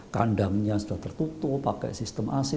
kandangnya sudah tertutup pakai sistem ac